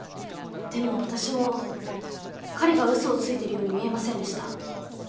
でも私も彼が嘘をついているように見えませんでした。